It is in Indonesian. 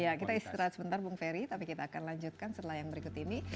ya kita istirahat sebentar bung ferry tapi kita akan lanjutkan setelah yang berikut ini